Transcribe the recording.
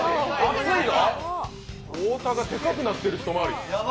太田がでかくなってる。